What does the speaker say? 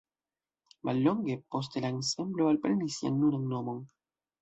Mallonge poste la ensemblo alprenis sian nunan nomon.